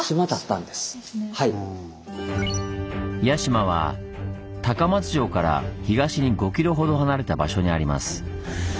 屋島は高松城から東に５ｋｍほど離れた場所にあります。